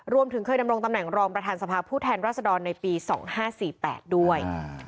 รวมถึงเคยดำรงตำแหน่งรองประธานสภาพผู้แทนรัศดรในปี๒๕๔๘ด้วย